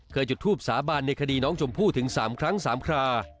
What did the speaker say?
จุดทูปสาบานในคดีน้องชมพู่ถึง๓ครั้ง๓ครา